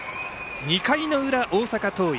２回の裏、大阪桐蔭。